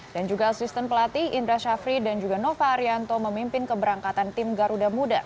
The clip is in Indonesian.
dan juga asisten pelatih indra shafri dan juga nova arianto memimpin keberangkatan tim garuda muda